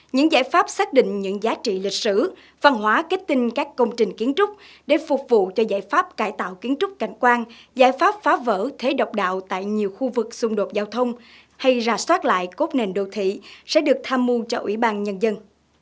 những giải pháp xác định những giá trị lịch sử văn hóa kết tinh các công trình kiến trúc để phục vụ cho giải pháp cải tạo kiến trúc cảnh quan giải pháp phá vỡ thế độc đạo tại nhiều khu vực xung đột giao thông hay rà soát lại cốt nền đô thị sẽ được tham mưu cho ủy ban nhân dân